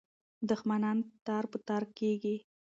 دښمنان تار په تار کېږي.